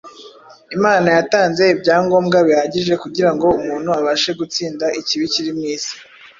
Imana yatanze ibyangombwa bihagije kugira ngo umuntu abashe gutsinda ikibi kiri mu isi.